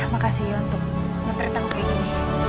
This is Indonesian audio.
makasih ya untuk ngetret aku kayak gini